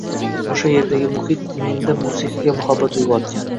O’sha yerdagi muhit menda musiqaga muhabbat uyg’otgan.